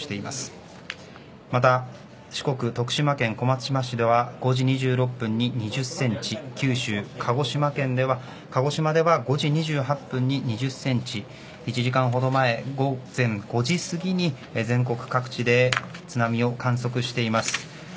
また四国徳島県、小松島市では５時２６分に２０センチ九州、鹿児島では５時２８分に２０センチ１時間ほど前、午前５時すぎに全国各地で津波を観測しています。